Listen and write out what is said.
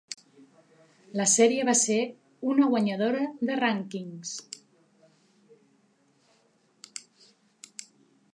La serie va ser una guanyadora de rànquings.